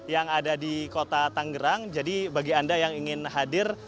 yang ada di kota tanggerang jadi bagi anda yang ingin hadir